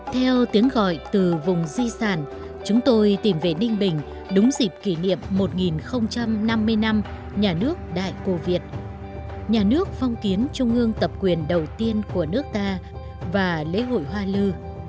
theo tiếng gọi từ vùng di sản chúng tôi tìm về ninh bình đúng dịp kỷ niệm một năm mươi năm nhà nước đại cổ việt nhà nước phong kiến trung ương tập quyền đầu tiên của nước ta và lễ hội hoa lư